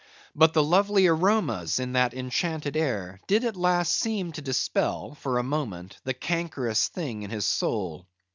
But the lovely aromas in that enchanted air did at last seem to dispel, for a moment, the cankerous thing in his soul.